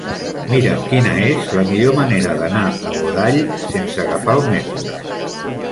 Mira'm quina és la millor manera d'anar a Godall sense agafar el metro.